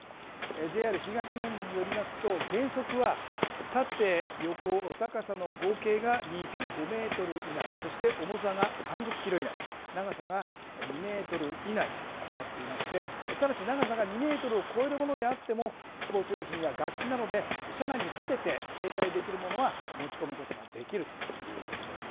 ＪＲ東日本によりますと原則は縦、横、高さの合計が２．５メートル以内そして、重さが３０キロ以内長さが２メートル以内となっていましてただし長さが２メートルを超えるものであってもスポーツ用品や楽器などで車内に立てて携帯できるものは持ち込むことができるということです。